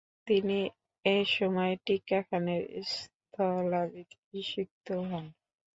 তিনি এসময় টিক্কা খানের স্থলাভিষিক্ত হন।